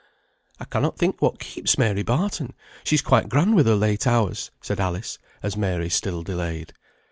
"I cannot think what keeps Mary Barton. She's quite grand with her late hours," said Alice, as Mary still delayed.